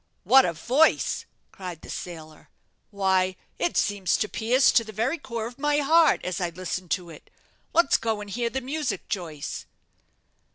"What a voice!" cried the sailor. "Why, it seems to pierce to the very core of my heart as I listen to it. Let's go and hear the music, Joyce."